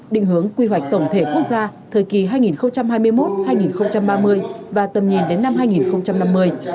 định hướng quy hoạch tổng thể quốc gia thời kỳ hai nghìn hai mươi một hai nghìn ba mươi và tầm nhìn đến năm hai nghìn năm mươi